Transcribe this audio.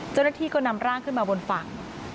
เจ้าหน้าที่ก็นำร่างขึ้นมาบนฝั่ง